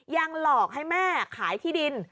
ยังหลอกให้แม่ขายที่ดิน